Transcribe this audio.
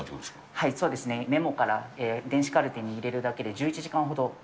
はいそうですね、メモから電子カルテに入れるだけで１１時間ほど。